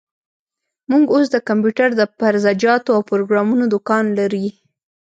موږ اوس د کمپيوټر د پرزه جاتو او پروګرامونو دوکان لري.